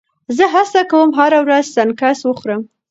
زه هڅه کوم هره ورځ سنکس وخورم.